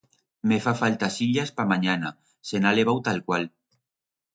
Me fa falta sillas pa manyana, se'n ha levau talcual.